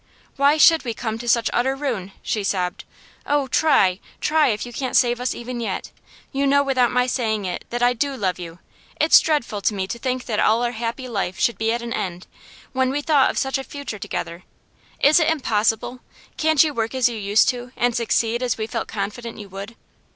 'Why should we come to such utter ruin?' she sobbed. 'Oh, try, try if you can't save us even yet! You know without my saying it that I do love you; it's dreadful to me to think all our happy life should be at an end, when we thought of such a future together. Is it impossible? Can't you work as you used to and succeed as we felt confident you would?